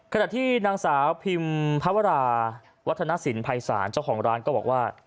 ขณะที่นางสาวพิมพวราวัฒนสินภัยศาลเจ้าของร้านก็บอกว่า